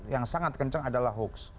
yang sangat kencang adalah hoax